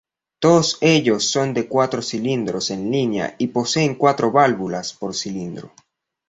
Todos ellos son de cuatro cilindros en línea y poseen cuatro válvulas por cilindro.